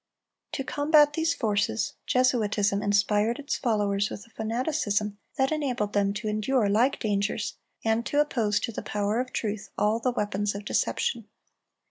To combat these forces, Jesuitism inspired its followers with a fanaticism that enabled them to endure like dangers, and to oppose to the power of truth all the weapons of deception.